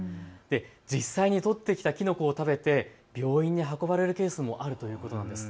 実際に採ってきたきのこを食べて病院に運ばれるケースもあるということなんです。